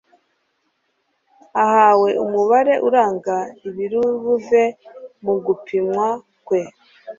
ahawe umubare uranga ibiribuve mu gupimwa kwe